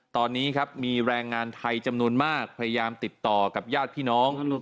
ตอนนี้ครับมีแรงงานไทยจำนวนมากพยายามติดต่อกับญาติพี่น้อง